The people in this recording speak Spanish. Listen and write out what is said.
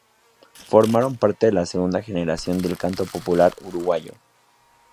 Formaron parte de la segunda generación del canto popular uruguayo.